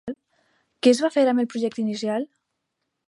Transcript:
Què es va fer amb el projecte inicial?